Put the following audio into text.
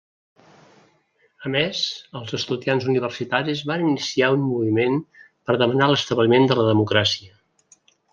A més, els estudiants universitaris van iniciar un moviment per demanar l'establiment de la democràcia.